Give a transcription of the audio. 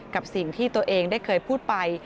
กับสิ่งที่ตัวเองได้เคยพูดไป